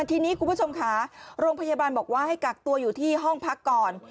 ทีนี้คุณผู้ชมค่ะโรงพยาบาลบอกว่าให้กักตัวอยู่ที่ห้องพักก่อน